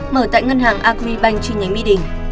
mở tại ngân hàng agribank trên nhánh mỹ đình